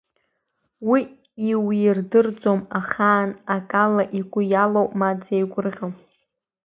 Уи иуирдырӡом ахаан акала, игәы иалоу, ма дзеигәырӷьо…